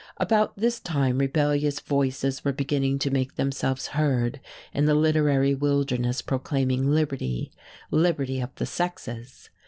About this time rebellious voices were beginning to make themselves heard in the literary wilderness proclaiming liberty liberty of the sexes.